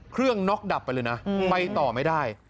เครื่องน็อกดับไปเลยน่ะอืมไปต่อไม่ได้